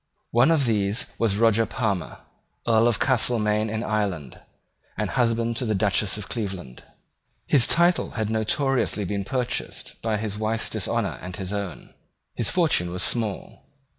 One of these was Roger Palmer, Earl of Castelmaine in Ireland, and husband of the Duchess of Cleveland. His title had notoriously been purchased by his wife's dishonour and his own. His fortune was small.